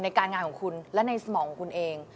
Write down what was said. ในการงานของคุณและในสมองของคุณเอง